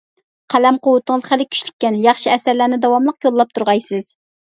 قەلەم قۇۋۋىتىڭىز خىلى كۈچلۈككەن ياخشى ئەسەرلەرنى داۋاملىق يوللاپ تۇرغايسىز!